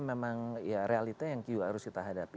memang realitanya yang harus kita hadapi